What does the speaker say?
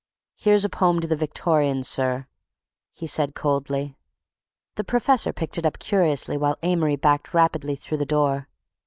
"Here's a poem to the Victorians, sir," he said coldly. The professor picked it up curiously while Amory backed rapidly through the door.